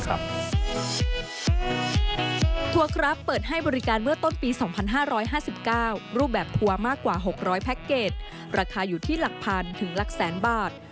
ทัวครับเปิดให้บริการเมื่อต้นปีสองพันห้าร้อยห้าสิบเก้ารูปแบบตัวมากกว่าหกร้อยแพ็คเกจราคาอยู่ที่หลักพันถึงหลักแสนบาท